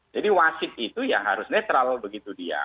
jadi wasit itu ya harus netral begitu dia